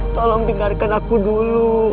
tolong dengarkan aku dulu